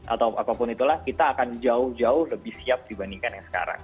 atau apapun itulah kita akan jauh jauh lebih siap dibandingkan yang sekarang